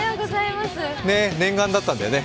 念願だったんだよね？